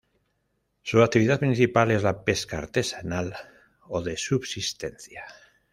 Su actividad principal es la pesca artesanal o de subsistencia.